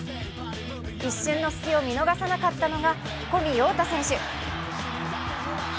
一瞬の隙を見逃さなかったのが小見洋太選手。